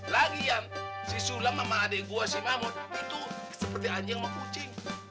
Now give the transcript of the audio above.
lagian si sulam sama adek gua si mamut itu seperti anjing sama kucing